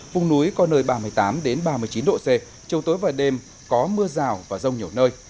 vùng núi có nơi ba mươi tám ba mươi chín độ c chiều tối và đêm có mưa rào và rông nhiều nơi